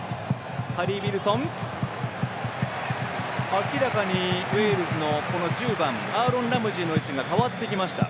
明らかにウェールズの１０番アーロン・ラムジーの位置が変わってきました。